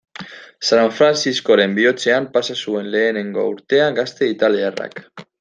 San Frantziskoren bihotzean pasa zuen lehengo urtea gazte italiarrak.